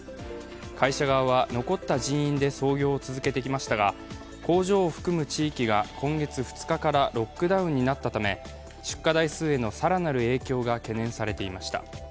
会社側は残った人員で操業を続けてきましたが工場を含む地域が今月２日からロックダウンになったため出荷台数への更なる影響が懸念されていました。